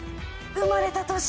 生まれた年。